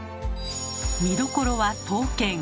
見どころは刀剣。